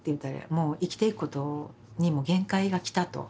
もう生きていくことにも限界が来たと。